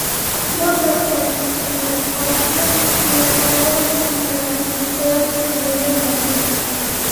No consta ni la pàtria, ni els pares, ni la seua primera educació.